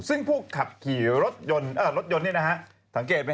ซึ่งผู้ขับขี่รถยนต์ทังเกตไหม